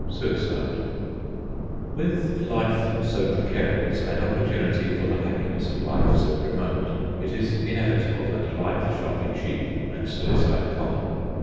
SUICIDE With life so precarious, and opportunity for the happiness of life so remote, it is inevitable that life shall be cheap and suicide common.